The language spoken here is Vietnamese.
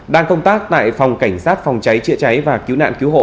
đang công tác tại phòng cảnh sát phòng cháy chữa cháy và cứu nạn cứu hộ